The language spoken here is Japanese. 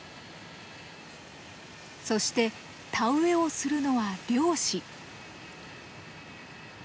そして田植えをするのは漁師。